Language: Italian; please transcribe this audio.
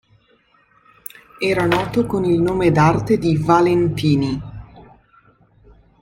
Era noto con il nome d'arte di "Valentini".